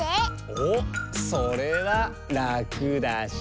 おっそれはラクだし。